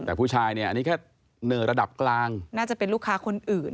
แต่ผู้ชายเนี่ยอันนี้แค่เหน่อระดับกลางน่าจะเป็นลูกค้าคนอื่น